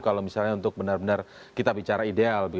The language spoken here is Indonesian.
kalau misalnya untuk benar benar kita bicara ideal